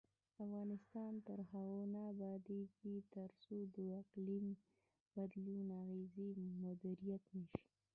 افغانستان تر هغو نه ابادیږي، ترڅو د اقلیم بدلون اغیزې مدیریت نشي.